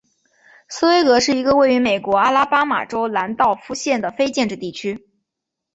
斯威格是一个位于美国阿拉巴马州兰道夫县的非建制地区。